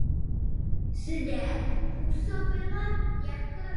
Zde působila jako režisérka a dramaturgyně.